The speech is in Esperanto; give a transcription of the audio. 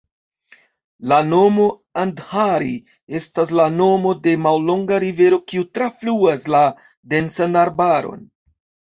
La nomo "Andhari" estas la nomo de mallonga rivero kiu trafluas la densan arbaron.